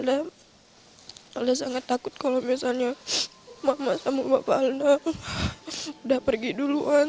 anda sangat takut kalau misalnya mama sama bapak anda sudah pergi duluan